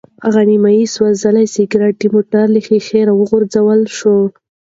هغه نیم سوځېدلی سګرټ د موټر له ښیښې راوغورځول شو.